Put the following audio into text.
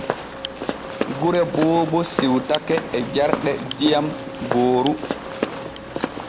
Gure Boobo siwtake e jarɗe diyam gooru.